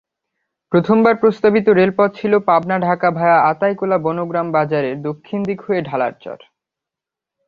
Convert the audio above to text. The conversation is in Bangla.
প্রথমবার প্রস্তাবিত রেলপথ ছিল পাবনা-ঢাকা ভায়া আতাইকুলা-বনগ্রাম বাজারের দক্ষিণ দিক হয়ে ঢালারচর।